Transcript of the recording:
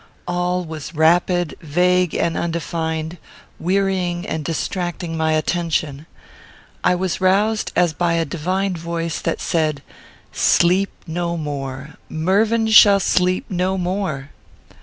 All was rapid, vague, and undefined, wearying and distracting my attention. I was roused as by a divine voice, that said, "Sleep no more! Mervyn shall sleep no more."